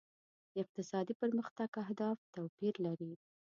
د اقتصادي پرمختګ اهداف توپیر لري.